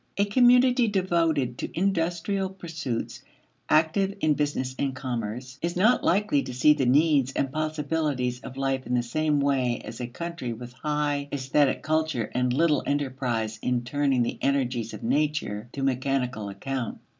A community devoted to industrial pursuits, active in business and commerce, is not likely to see the needs and possibilities of life in the same way as a country with high aesthetic culture and little enterprise in turning the energies of nature to mechanical account.